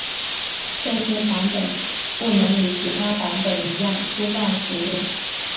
这些版本不能与其他版本一样粗暴使用。